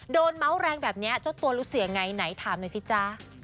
โดนเม้าท์แรงแบบนี้ชดตัวสิ่งอะไรไหนถามหน่อยสิจ๊ะ